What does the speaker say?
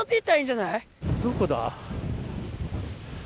どこだ？